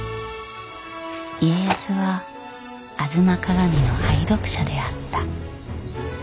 家康は「吾妻鏡」の愛読者であった。